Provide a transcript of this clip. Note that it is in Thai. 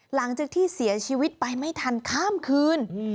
หลังจากที่เสียชีวิตไปไม่ทันข้ามคืน